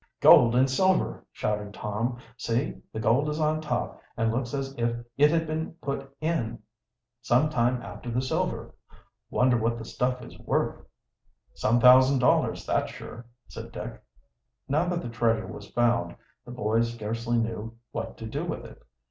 "Gold and silver!" shouted Tom. "See, the gold is on top, and looks as if it had been put in some time after the silver. Wonder what the stuff is worth?" "Some thousand dollars, that's sure," said Dick. Now that the treasure was found the boys scarcely knew what to do with it.